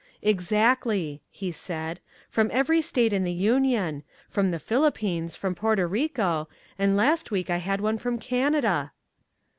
"Exactly," he said; "from every State in the Union from the Philippines, from Porto Rico, and last week I had one from Canada."